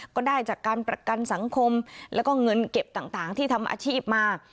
ก็ได้จากการประกันสังคมแล้วก็เงินเก็บต่างที่ทำอาชีพมา